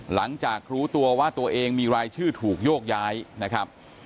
หลังจากรู้ตัวว่าตัวเองมีรายชื่อถูกโยกย้ายนะครับ